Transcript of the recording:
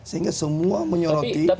sehingga semua menyoroti